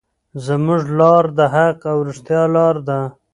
زموږ لار د حق او رښتیا لار ده.